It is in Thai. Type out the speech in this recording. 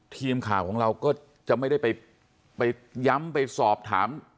ทีมข่าวของเราก็จะไม่ได้ไปย้ำไปสอบถาม